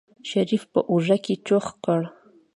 شريف په اوږه کې چوخ کړ.